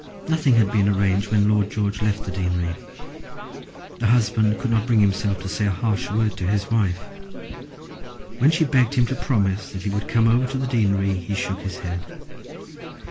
Nothing had been arranged when Lord George left the deanery. The husband could not bring himself to say a harsh word to his wife. When she begged him to promise that he would come over to the deanery, he shook his head.